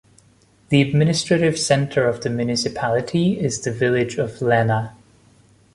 The administrative centre of the municipality is the village of Lena.